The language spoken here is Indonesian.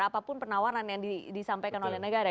apapun penawaran yang disampaikan oleh negara